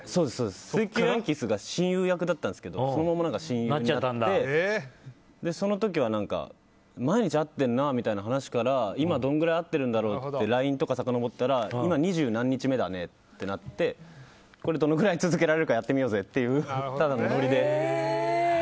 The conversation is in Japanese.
「水球ヤンキース」で親友役だったんですけどそのまま親友になってその時は、毎日会ってるなみたいな話から今、どれぐらい会っているんだろうってＬＩＮＥとかさかのぼったら今、二十何日目だねとなってこれどのくらい続けられるかやってみようぜっていうただのノリで。